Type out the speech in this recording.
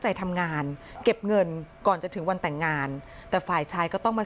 ใจทำงานเก็บเงินก่อนจะถึงวันแต่งงานแต่ฝ่ายชายก็ต้องมา